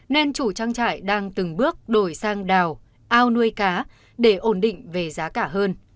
nên chủ trang trại đang từng bước đổi sang đào ao nuôi cá để ổn định về giá cả hơn